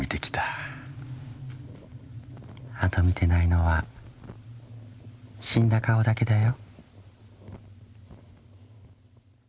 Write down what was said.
あと見てないのは死んだ顔だけだよ。